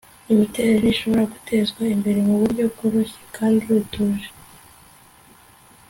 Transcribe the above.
imiterere ntishobora gutezwa imbere muburyo bworoshye kandi butuje